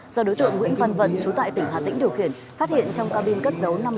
do đối tượng nguyễn văn vận trú tại tỉnh hà tĩnh điều khiển phát hiện trong cabin cất dấu